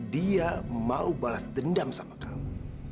dia mau balas dendam sama kamu